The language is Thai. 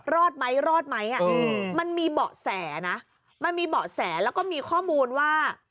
รอดไหมรอดไหมมันมีเบาะแสนะมันมีเบาะแสแล้วก็มีข้อมูลว่า